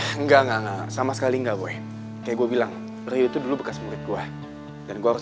enggak enggak sama sekali enggak gue kayak gue bilang itu dulu bekas murid gua dan gua harus